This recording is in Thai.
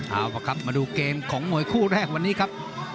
เอาละครับมาดูเกมของมวยคู่แรกวันนี้ครับ